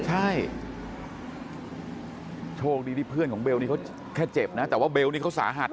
ใช่โชคดีที่เพื่อนของเบลนี่เขาแค่เจ็บนะแต่ว่าเบลนี่เขาสาหัส